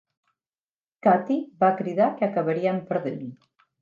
Katie va cridar que acabarien perdent.